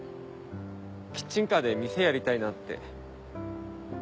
キッチンカーで店やりたいなって。